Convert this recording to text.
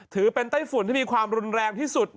ถือเป็นไต้ฝุ่นที่มีความรุนแรงที่สุด